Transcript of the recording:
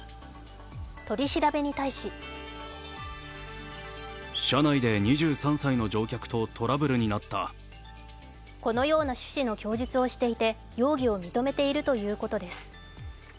取り調べに対しこのような趣旨の供述をしていて容疑を認めているということです。